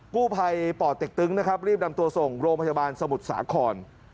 หั่วไพป่อตตึกตึงรีบนำตัวส่งโรงพยาบาลสมุทรศาขร